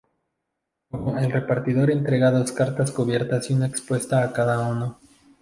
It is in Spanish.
Luego, el repartidor entrega dos cartas cubiertas y una expuesta a cada uno.